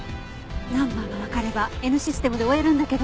ナンバーがわかればＮシステムで追えるんだけど。